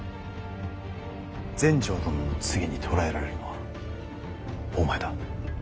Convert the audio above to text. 全成殿の次に捕らえられるのはお前だ。